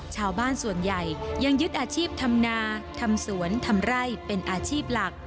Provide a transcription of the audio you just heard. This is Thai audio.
ชาวบ้านส่วนใหญ่ยังยึดอาชีพทำนาทำสวนทำไร่เป็นอาชีพหลัก